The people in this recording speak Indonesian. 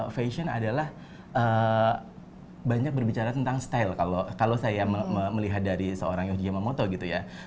fashion adalah banyak berbicara tentang style kalau saya melihat dari seorang yogia mamoto gitu ya